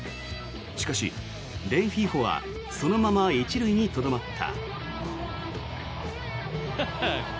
しかし、レンヒーフォはそのまま１塁にとどまった。